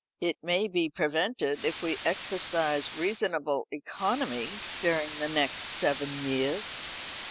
"It may be prevented if we exercise reasonable economy during the next seven years."